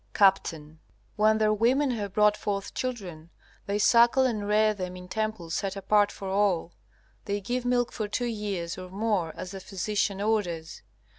Capt. When their women have brought forth children, they suckle and rear them in temples set apart for all. They give milk for two years or more as the physician orders.